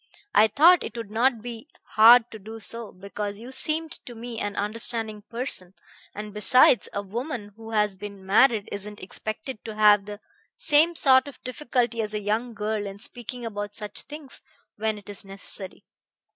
I thought it would not be hard to do so, because you seemed to me an understanding person, and besides, a woman who has been married isn't expected to have the same sort of difficulty as a young girl in speaking about such things when it is necessary.